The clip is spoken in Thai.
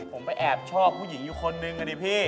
ผมไปแอบชอบผู้หญิงอยู่คนนึงอ่ะดิพี่